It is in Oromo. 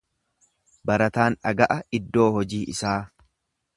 Barataan dhaga'a iddoo hojii isaa.